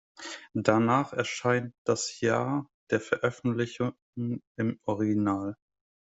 Danach erscheint das Jahr der Veröffentlichung im Original.